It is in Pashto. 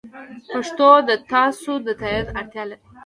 پښتو د تاسو د تایید اړتیا لري.